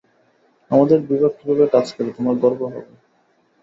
আমাদের বিভাগ কিভাবে কাজ করে, তোমার গর্ব হবে।